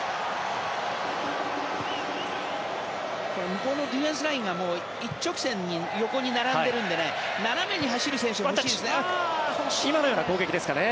向こうのディフェンスラインが一直線に横に並んでいるので斜めに走る選手が欲しいですね。